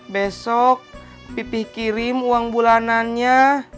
besok pipih kirim uang bulanannya